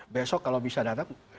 besok kalau bisa datang